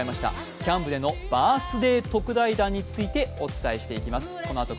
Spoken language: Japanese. キャンプでのバースデー特大弾についてお伝えしていきます。